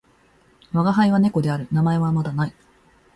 わがはいは猫である。名前はまだ無い。